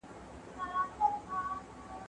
کبابي خپل سیخان د اوبو په واسطه په پوره ډول پاک کړل.